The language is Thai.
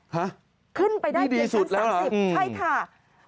ห้ะนี่ดีสุดแล้วเหรออืมใช่ค่ะ